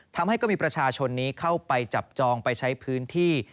ทำให้ก็มีประชาชนนี้เข้าไปจับจองไปใช้พื้นที่